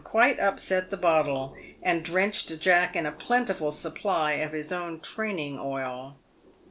191 quite upset the bottle, and drenched Jack in a plentiful supply of " his own training oil."